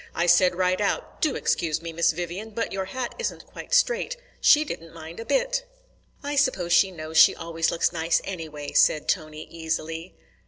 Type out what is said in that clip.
I said right out: 'Do excuse me, Miss Vivian, but your hat isn't quite straight.' She didn't mind a bit." "I suppose she knows she always looks nice anyway," said Tony easily.